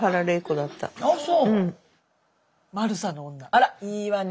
あらいいわね！